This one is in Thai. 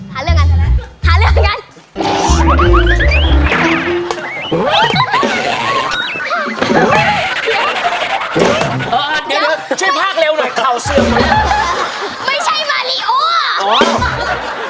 เฮ้อค่ะเดี๋ยวเชี่ยวภาคมีขึ้นเร็วหน่อย